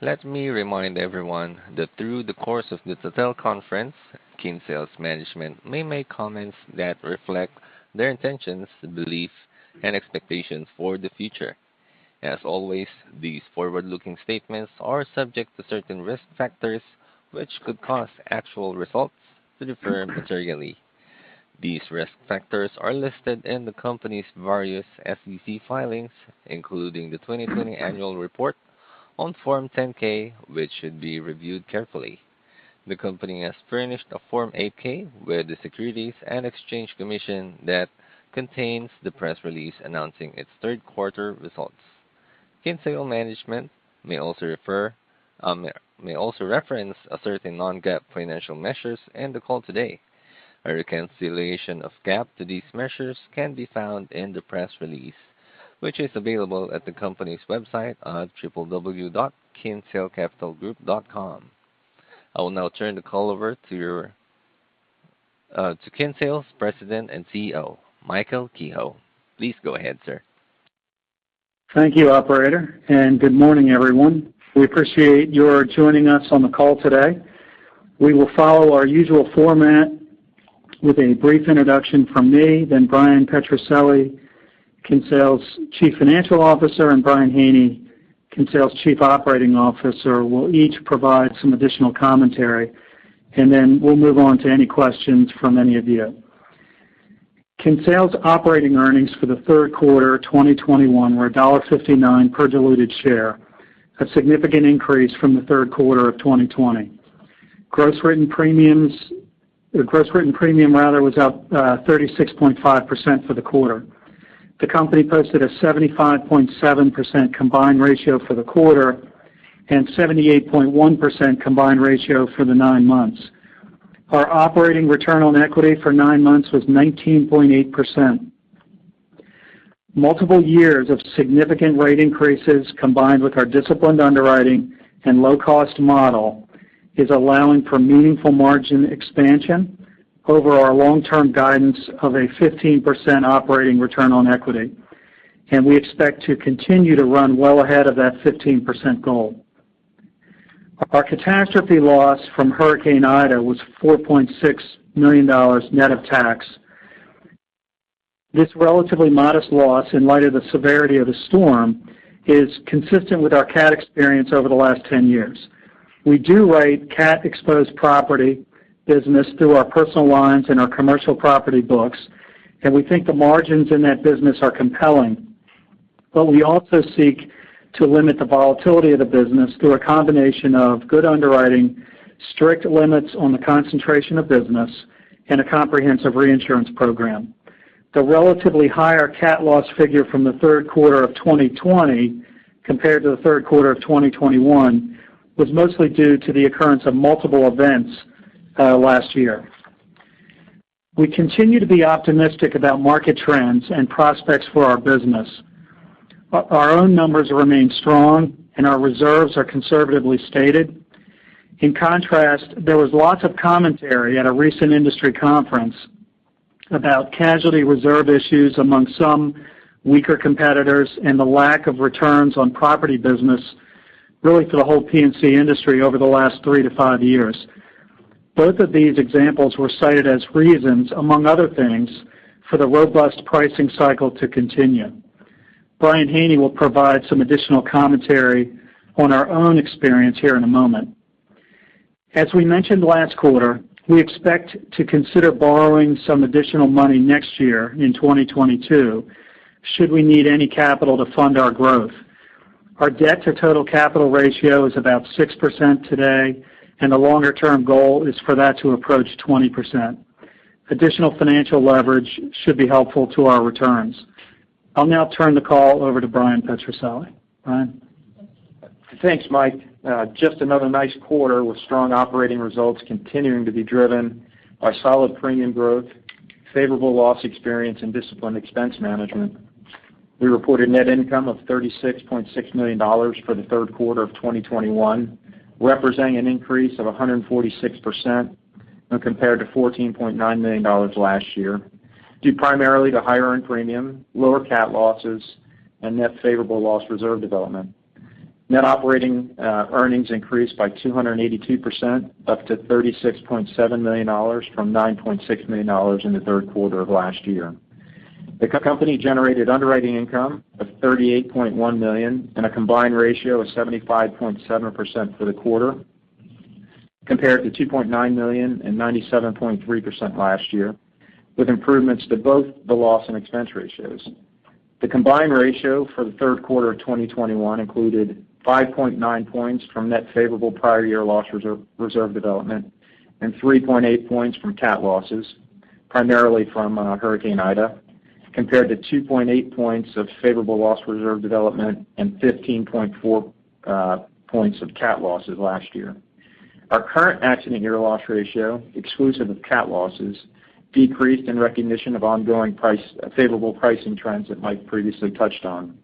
Let me remind everyone that through the course of the teleconference, Kinsale's management may make comments that reflect their intentions, beliefs, and expectations for the future. As always, these forward-looking statements are subject to certain risk factors, which could cause actual results to differ materially. These risk factors are listed in the company's various SEC filings, including the 2020 annual report on Form 10-K, which should be reviewed carefully. The company has furnished a Form 8-K with the Securities and Exchange Commission that contains the press release announcing its third quarter results. Kinsale management may also reference a certain non-GAAP financial measures in the call today. A reconciliation of GAAP to these measures can be found in the press release, which is available at the company's website at www.kinsalecapitalgroup.com. I will now turn the call over to Kinsale's President and CEO, Michael Kehoe. Please go ahead, sir. Thank you, operator, and good morning, everyone. We appreciate your joining us on the call today. We will follow our usual format with a brief introduction from me, then Bryan Petrucelli, Kinsale's Chief Financial Officer, and Brian Haney, Kinsale's Chief Operating Officer, will each provide some additional commentary. Then we'll move on to any questions from any of you. Kinsale's operating earnings for the third quarter of 2021 were $59 per diluted share, a significant increase from the third quarter of 2020. Gross written premium was up 36.5% for the quarter. The company posted a 75.7% combined ratio for the quarter and 78.1% combined ratio for the nine months. Our operating return on equity for nine months was 19.8%. Multiple years of significant rate increases, combined with our disciplined underwriting and low-cost model, is allowing for meaningful margin expansion over our long-term guidance of a 15% operating return on equity. We expect to continue to run well ahead of that 15% goal. Our catastrophe loss from Hurricane Ida was $4.6 million net of tax. This relatively modest loss, in light of the severity of the storm, is consistent with our cat experience over the last 10 years. We do rate cat-exposed property business through our Personal Lines and our Commercial Property books, and we think the margins in that business are compelling. We also seek to limit the volatility of the business through a combination of good underwriting, strict limits on the concentration of business, and a comprehensive reinsurance program. The relatively higher cat loss figure from the third quarter of 2020 compared to the third quarter of 2021 was mostly due to the occurrence of multiple events last year. We continue to be optimistic about market trends and prospects for our business. Our own numbers remain strong and our reserves are conservatively stated. In contrast, there was lots of commentary at a recent industry conference about casualty reserve issues among some weaker competitors and the lack of returns on property business, really for the whole P&C industry over the last three to five years. Both of these examples were cited as reasons, among other things, for the robust pricing cycle to continue. Brian Haney will provide some additional commentary on our own experience here in a moment. As we mentioned last quarter, we expect to consider borrowing some additional money next year in 2022, should we need any capital to fund our growth. Our debt-to-total capital ratio is about 6% today, and the longer-term goal is for that to approach 20%. Additional financial leverage should be helpful to our returns. I'll now turn the call over to Bryan Petrucelli. Bryan. Thanks, Mike. Just another nice quarter with strong operating results continuing to be driven by solid premium growth, favorable loss experience, and disciplined expense management. We reported net income of $36.6 million for the third quarter of 2021, representing an increase of 146% when compared to $14.9 million last year, due primarily to higher earned premium, lower cat losses, and net favorable loss reserve development. Net operating earnings increased by 282%, up to $36.7 million from $9.6 million in the third quarter of last year. The company generated underwriting income of $38.1 million and a combined ratio of 75.7% for the quarter, compared to $2.9 million and 97.3% last year, with improvements to both the loss and expense ratios. The combined ratio for the third quarter of 2021 included 5.9 points from net favorable prior year loss reserve development and 3.8 points from cat losses, primarily from Hurricane Ida, compared to 2.8 points of favorable loss reserve development and 15.4 points of cat losses last year. Our current accident year loss ratio, exclusive of cat losses, decreased in recognition of ongoing price-favorable pricing trends that Mike previously touched on.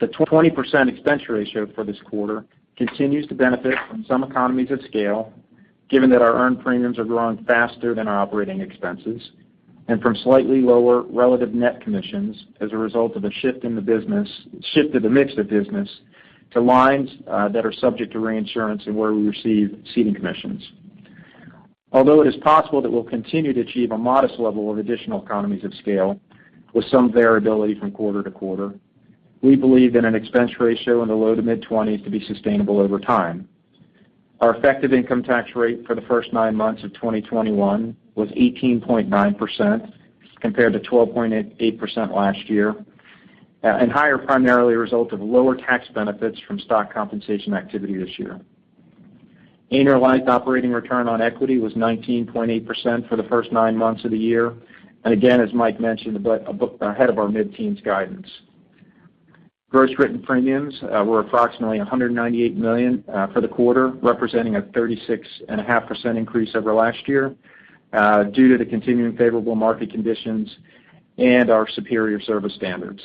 The 20% expense ratio for this quarter continues to benefit from some economies of scale. Given that our earned premiums are growing faster than our operating expenses, and from slightly lower relative net commissions as a result of a shift in the mix of business to lines that are subject to reinsurance and where we receive ceding commissions. Although it is possible that we'll continue to achieve a modest level of additional economies of scale with some variability from quarter to quarter, we believe in an expense ratio in the low- to mid-20s% to be sustainable over time. Our effective income tax rate for the first nine months of 2021 was 18.9% compared to 12.8% last year, and higher primarily a result of lower tax benefits from stock compensation activity this year. Annualized operating return on equity was 19.8% for the first nine months of the year. Again, as Mike mentioned, but a bit ahead of our mid-teens guidance. Gross written premiums were approximately $198 million for the quarter, representing a 36.5% increase over last year due to the continuing favorable market conditions and our superior service standards.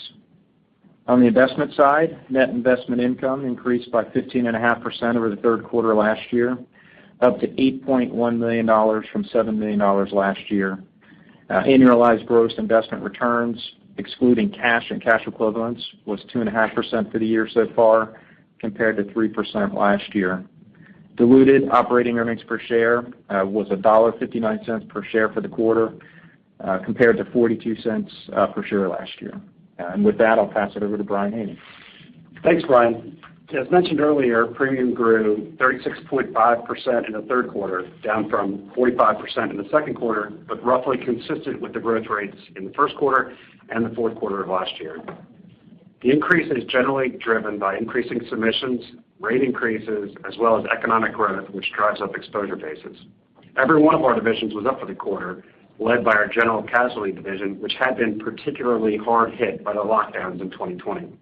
On the investment side, net investment income increased by 15.5% over the third quarter last year, up to $8.1 million from $7 million last year. Annualized gross investment returns, excluding cash and cash equivalents, was 2.5% for the year so far, compared to 3% last year. Diluted operating earnings per share was $1.59 per share for the quarter, compared to $0.42 per share last year. With that, I'll pass it over to Brian Haney. Thanks, Brian. As mentioned earlier, premium grew 36.5% in the third quarter, down from 45% in the second quarter, but roughly consistent with the growth rates in the first quarter and the fourth quarter of last year. The increase is generally driven by increasing submissions, rate increases, as well as economic growth, which drives up exposure bases. Every one of our divisions was up for the quarter, led by our General Casualty division, which had been particularly hard hit by the lockdowns in 2020.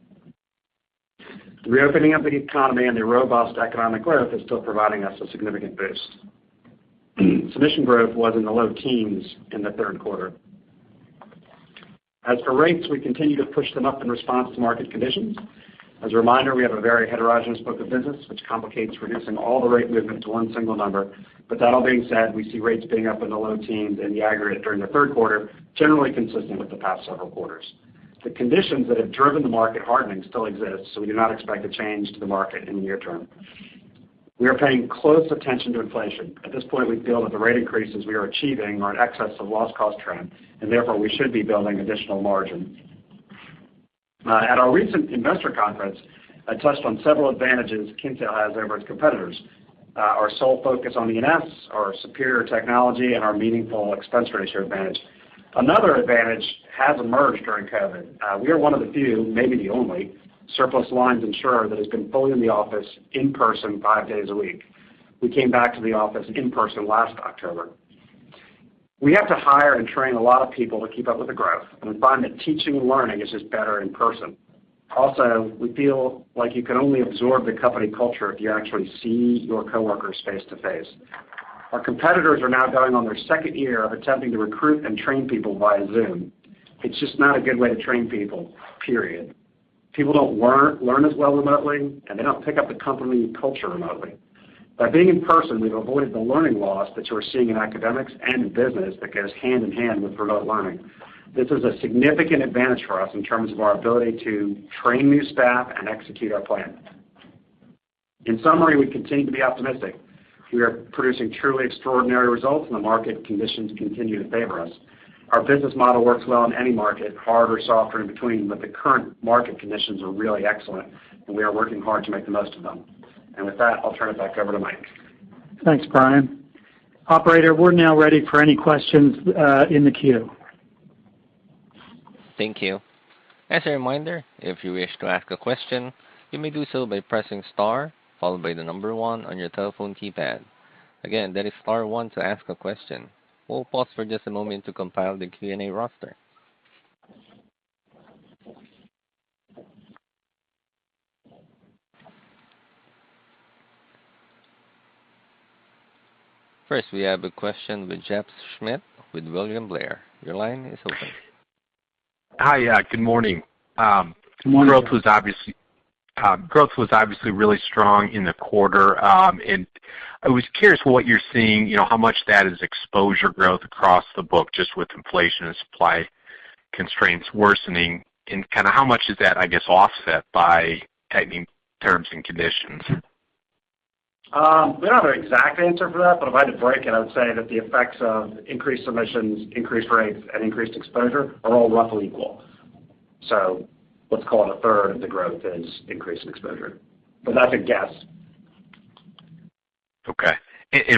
The reopening of the economy and the robust economic growth is still providing us a significant boost. Submission growth was in the low teens in the third quarter. As for rates, we continue to push them up in response to market conditions. As a reminder, we have a very heterogeneous book of business, which complicates reducing all the rate movement to one single number. That all being said, we see rates being up in the low teens in the aggregate during the third quarter, generally consistent with the past several quarters. The conditions that have driven the market hardening still exist, so we do not expect a change to the market in the near term. We are paying close attention to inflation. At this point, we feel that the rate increases we are achieving are in excess of loss cost trend, and therefore, we should be building additional margin. At our recent investor conference, I touched on several advantages Kinsale has over its competitors, our sole focus on E&S, our superior technology, and our meaningful expense ratio advantage. Another advantage has emerged during COVID. We are one of the few, maybe the only, surplus lines insurer that has been fully in the office in person five days a week. We came back to the office in person last October. We have to hire and train a lot of people to keep up with the growth, and we find that teaching and learning is just better in person. Also, we feel like you can only absorb the company culture if you actually see your coworkers face-to-face. Our competitors are now going on their second year of attempting to recruit and train people via Zoom. It's just not a good way to train people, period. People don't learn as well remotely, and they don't pick up the company culture remotely. By being in person, we've avoided the learning loss that you are seeing in academics and in business that goes hand-in-hand with remote learning. This is a significant advantage for us in terms of our ability to train new staff and execute our plan. In summary, we continue to be optimistic. We are producing truly extraordinary results, and the market conditions continue to favor us. Our business model works well in any market, hard or soft or in between, but the current market conditions are really excellent, and we are working hard to make the most of them. With that, I'll turn it back over to Mike. Thanks, Brian. Operator, we're now ready for any questions, in the queue. Thank you. As a reminder, if you wish to ask a question, you may do so by pressing star followed by the number one on your telephone keypad. Again, that is star one to ask a question. We'll pause for just a moment to compile the Q&A roster. First, we have a question with Jeff Schmitt with William Blair. Your line is open. Hi. Good morning. Good morning. Growth was obviously really strong in the quarter. I was curious what you're seeing, you know, how much that is exposure growth across the book just with inflation and supply constraints worsening. Kind of how much is that, I guess, offset by tightening terms and conditions? We don't have an exact answer for that, but if I had to break it, I would say that the effects of increased submissions, increased rates, and increased exposure are all roughly equal. Let's call it a third of the growth is increase in exposure. That's a guess. Okay.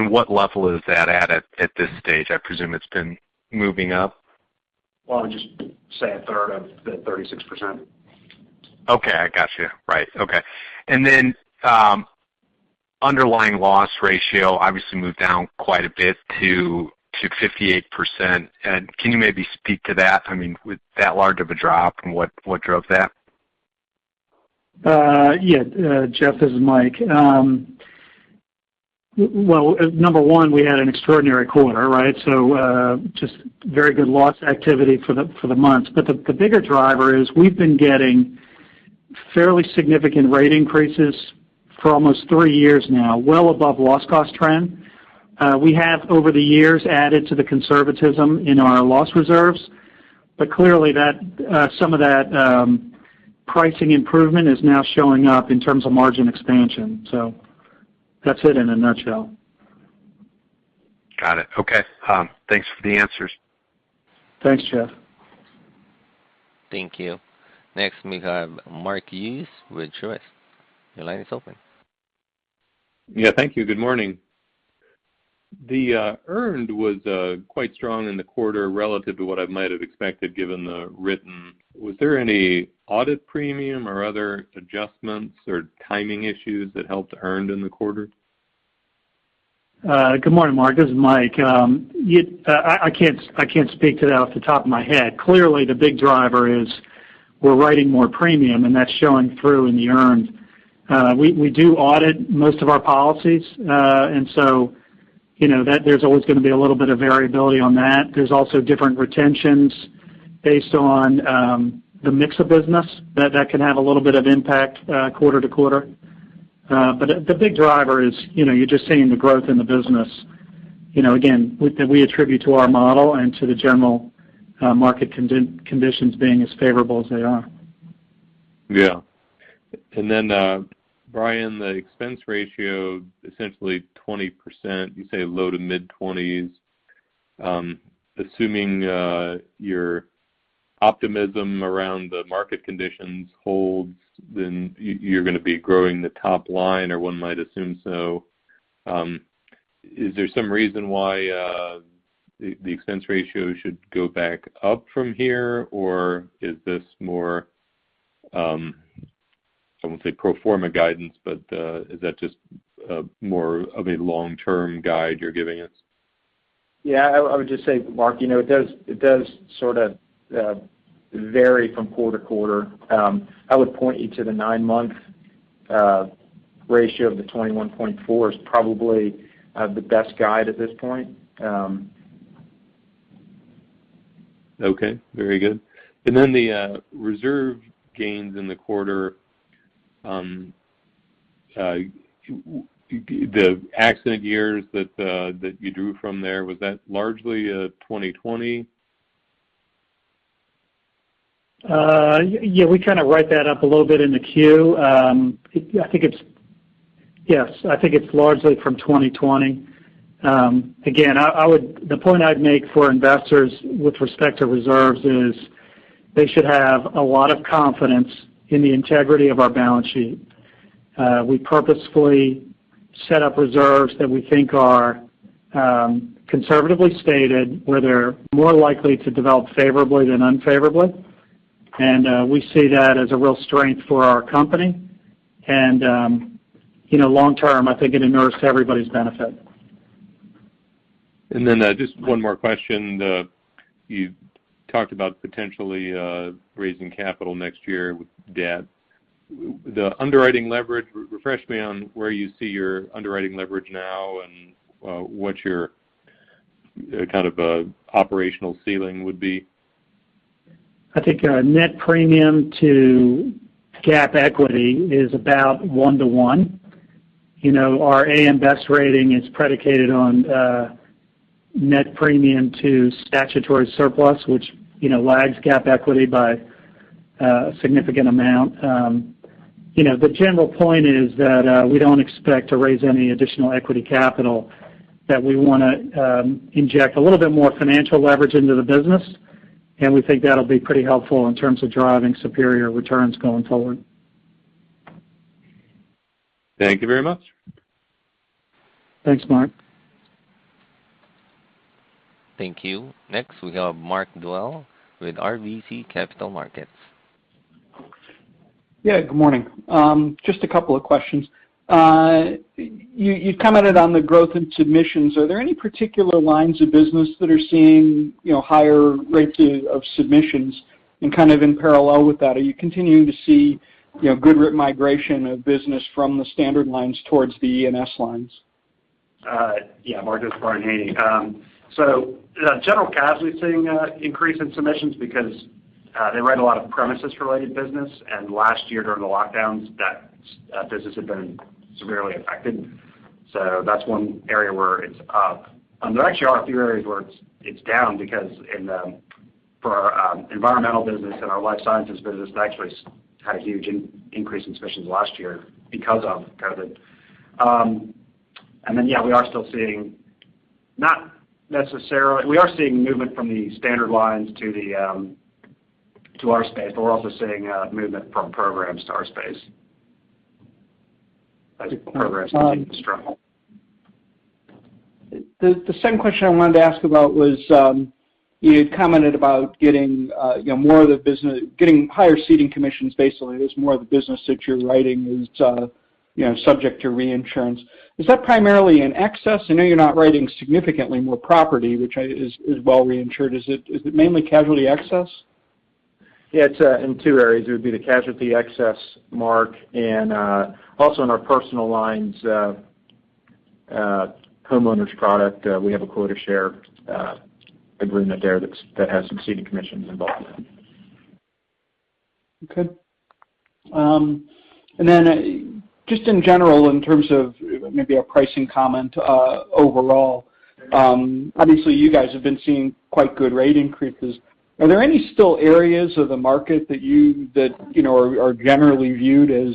What level is that at this stage? I presume it's been moving up. Well, I would just say a third of the 36%. Okay. I got you. Right. Okay. Underlying loss ratio obviously moved down quite a bit to 58%. Can you maybe speak to that? I mean, with that large of a drop, and what drove that? Yeah. Jeff, this is Mike. Well, number one, we had an extraordinary quarter, right? Just very good loss activity for the months. But the bigger driver is we've been getting fairly significant rate increases for almost three years now, well above loss cost trend. We have, over the years, added to the conservatism in our loss reserves. Clearly that, some of that, pricing improvement is now showing up in terms of margin expansion. That's it in a nutshell. Got it. Okay. Thanks for the answers. Thanks, Jeff. Thank you. Next, we have Mark Hughes with Truist. Your line is open. Yeah, thank you. Good morning. The earned was quite strong in the quarter relative to what I might have expected given the written. Was there any audit premium or other adjustments or timing issues that helped earned in the quarter? Good morning, Mark. This is Mike. I can't speak to that off the top of my head. Clearly, the big driver is we're writing more premium, and that's showing through in the earned. We do audit most of our policies. You know, that's always gonna be a little bit of variability on that. There's also different retentions based on the mix of business that can have a little bit of impact quarter to quarter. But the big driver is, you know, you're just seeing the growth in the business, you know, again, that we attribute to our model and to the general market conditions being as favorable as they are. Yeah. Then, Brian, the expense ratio, essentially 20%, you say low-to-mid 20s. Assuming your optimism around the market conditions holds, then you're gonna be growing the top line, or one might assume so. Is there some reason why the expense ratio should go back up from here, or is this more, I won't say pro forma guidance, but is that just more of a long-term guide you're giving us? Yeah. I would just say, Mark, you know, it does sort of vary from quarter to quarter. I would point you to the nine-month ratio of the 21.4% is probably the best guide at this point. Okay, very good. The reserve gains in the quarter, the accident years that you drew from there, was that largely 2020? Yeah, we kind of write that up a little bit in the queue. Yes, I think it's largely from 2020. Again, the point I'd make for investors with respect to reserves is they should have a lot of confidence in the integrity of our balance sheet. We purposefully set up reserves that we think are conservatively stated, where they're more likely to develop favorably than unfavorably. We see that as a real strength for our company. You know, long term, I think it accrues to everybody's benefit. Just one more question. You talked about potentially raising capital next year with debt. Refresh me on where you see your underwriting leverage now and what your kind of operational ceiling would be. I think our net premium to GAAP equity is about one to one. You know, our AM Best rating is predicated on net premium to statutory surplus, which, you know, lags GAAP equity by a significant amount. You know, the general point is that we don't expect to raise any additional equity capital, that we wanna inject a little bit more financial leverage into the business, and we think that'll be pretty helpful in terms of driving superior returns going forward. Thank you very much. Thanks, Mark. Thank you. Next, we have Mark Dwelle with RBC Capital Markets. Good morning. Just a couple of questions. You've commented on the growth in submissions. Are there any particular lines of business that are seeing, you know, higher rates of submissions? Kind of in parallel with that, are you continuing to see, you know, good write migration of business from the standard lines towards the E&S lines? Yeah, Mark, this is Brian Haney. General Casualty is seeing an increase in submissions because they write a lot of premises related business, and last year, during the lockdowns, that business had been severely affected. That's one area where it's up. There actually are a few areas where it's down because for our Environmental business and our Life Sciences business, they actually had a huge increase in submissions last year because of COVID. We are still seeing movement from the standard lines to our space, but we're also seeing movement from programs to our space as programs continue to struggle. The second question I wanted to ask about was, you had commented about getting, you know, more of the business, getting higher ceding commissions, basically, as more of the business that you're writing is, you know, subject to reinsurance. Is that primarily in excess? I know you're not writing significantly more property, which is well reinsured. Is it mainly Excess Casualty? Yeah, it's in two areas. It would be the Excess Casualty, Mark, and also in our Personal Lines. Homeowners product, we have a quota share agreement there that has some ceding commissions involved in it. Okay. Just in general, in terms of maybe a pricing comment, overall, obviously you guys have been seeing quite good rate increases. Are there any still areas of the market that you know are generally viewed as,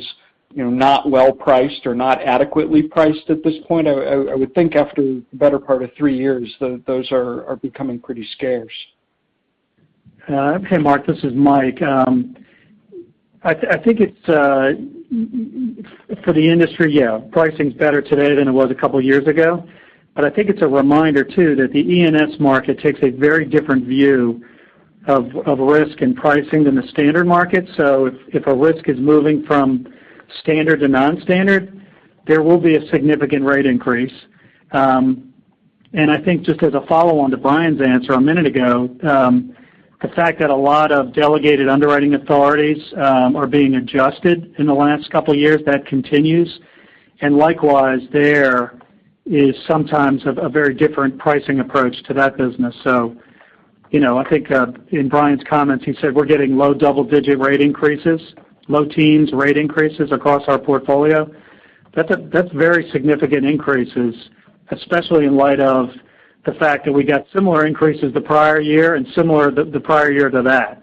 you know, not well-priced or not adequately priced at this point? I would think after the better part of three years that those are becoming pretty scarce. Okay, Mark, this is Mike. I think it's for the industry, yeah, pricing's better today than it was a couple years ago. I think it's a reminder too that the E&S market takes a very different view of risk and pricing than the standard market. If a risk is moving from standard to non-standard, there will be a significant rate increase. I think just as a follow-on to Brian's answer a minute ago, the fact that a lot of delegated underwriting authorities are being adjusted in the last couple years, that continues. Likewise, there is sometimes a very different pricing approach to that business. You know, I think in Brian's comments, he said we're getting low double-digit rate increases, low teens rate increases across our portfolio. That's very significant increases, especially in light of the fact that we got similar increases the prior year and similar the prior year to that.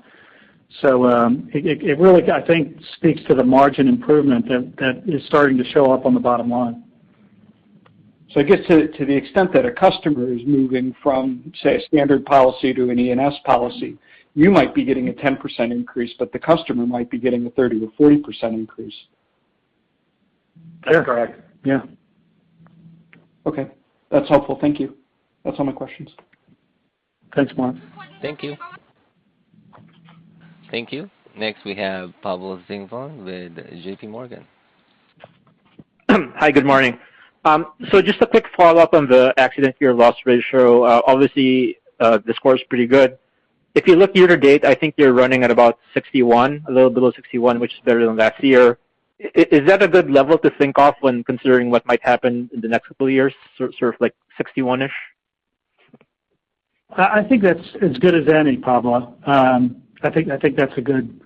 It really, I think, speaks to the margin improvement that is starting to show up on the bottom line. I guess to the extent that a customer is moving from, say, a standard policy to an E&S policy, you might be getting a 10% increase, but the customer might be getting a 30%-40% increase. They're correct. Yeah. Okay. That's helpful. Thank you. That's all my questions. Thanks, Mark. Thank you. Thank you. Next, we have Pablo Singzon with JPMorgan. Hi, good morning. Just a quick follow-up on the accident year loss ratio. Obviously, the score is pretty good. If you look year to date, I think you're running at about 61%, a little below 61%, which is better than last year. Is that a good level to think of when considering what might happen in the next couple of years, sort of like 61-ish? I think that's as good as any, Pablo. I think that's a good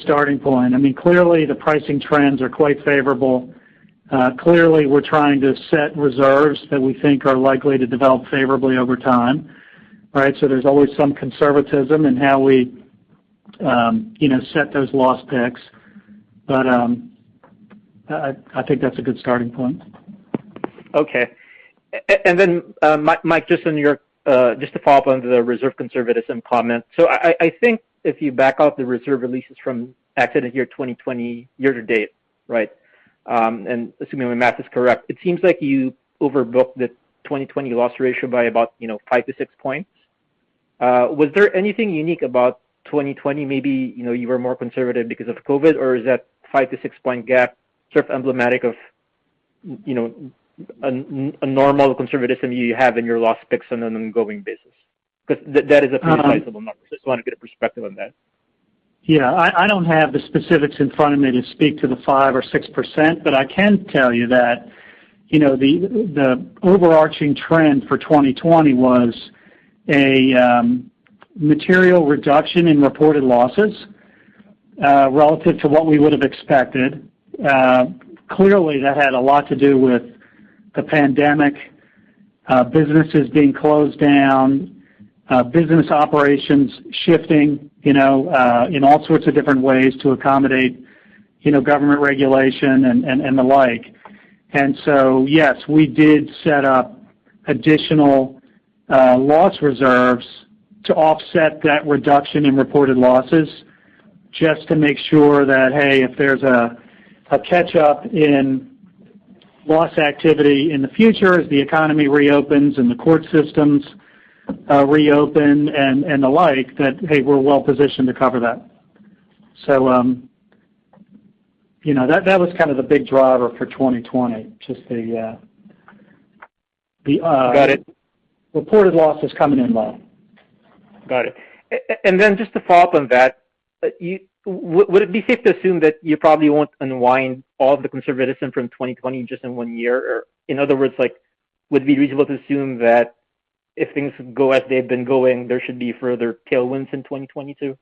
starting point. I mean, clearly the pricing trends are quite favorable. Clearly we're trying to set reserves that we think are likely to develop favorably over time, right? There's always some conservatism in how we, you know, set those loss picks. I think that's a good starting point. Okay. Mike, just on your just to follow up on the reserve conservatism comment. I think if you back out the reserve releases from accident year 2020 year-to-date, right? Assuming my math is correct, it seems like you overbooked the 2020 loss ratio by about, you know, five to six points. Was there anything unique about 2020, maybe, you know, you were more conservative because of COVID or is that five to six-point gap sort of emblematic of, you know, a normal conservatism you have in your loss picks on an ongoing basis? 'Cause that is a pretty sizable number. I just want to get a perspective on that. Yeah. I don't have the specifics in front of me to speak to the 5% or 6%, but I can tell you that, you know, the overarching trend for 2020 was a material reduction in reported losses relative to what we would have expected. Clearly that had a lot to do with the pandemic, businesses being closed down, business operations shifting, you know, in all sorts of different ways to accommodate, you know, government regulation and the like. Yes, we did set up additional loss reserves to offset that reduction in reported losses just to make sure that, hey, if there's a catch-up in loss activity in the future as the economy reopens and the court systems reopen and the like, that, hey, we're well positioned to cover that. You know, that was kind of the big driver for 2020, just the. Got it. Reported losses coming in low. Got it. Just to follow up on that, would it be safe to assume that you probably won't unwind all the conservatism from 2020 just in one year? In other words, like, would it be reasonable to assume that if things go as they've been going, there should be further tailwinds in 2022?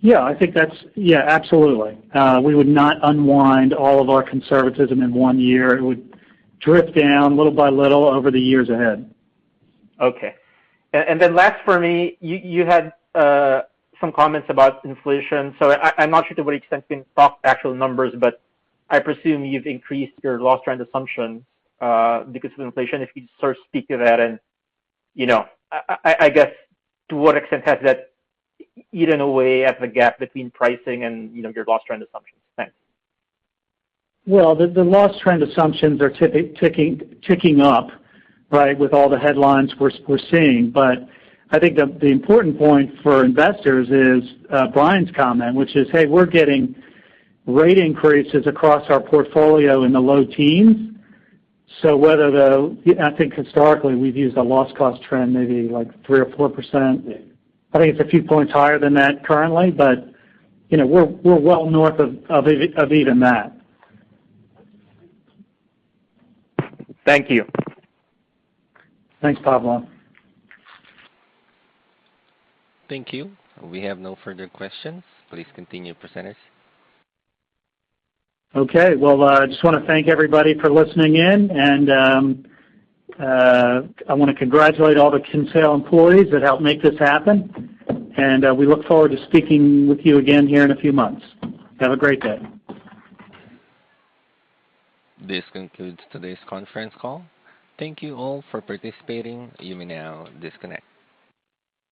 Yeah, I think that's, yeah, absolutely. We would not unwind all of our conservatism in one year. It would drift down little by little over the years ahead. Okay. Last for me, you had some comments about inflation. I'm not sure to what extent you can talk actual numbers, but I presume you've increased your loss trend assumption because of inflation, if you could sort of speak to that. You know, I guess to what extent has that eaten away at the gap between pricing and, you know, your loss trend assumptions? Thanks. Well, the loss trend assumptions are ticking up, right, with all the headlines we're seeing. I think the important point for investors is Brian's comment, which is, hey, we're getting rate increases across our portfolio in the low teens. I think historically, we've used a loss cost trend maybe like 3% or 4%. I think it's a few points higher than that currently, but you know, we're well north of even that. Thank you. Thanks, Pablo. Thank you. We have no further questions. Please continue presentors. Okay. Well, I just wanna thank everybody for listening in, and I wanna congratulate all the Kinsale employees that helped make this happen, and we look forward to speaking with you again here in a few months. Have a great day. This concludes today's conference call. Thank you all for participating. You may now disconnect.